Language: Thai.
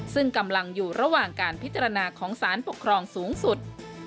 ซึ่งกำลังอยู่ระหว่างการพิจารณาของสารปกครองสูงสุด